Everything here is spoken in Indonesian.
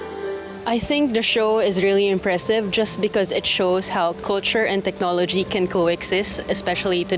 saya pikir pembunuhannya sangat menarik karena menunjukkan bagaimana kultur dan teknologi bisa berhubungan terutama hari ini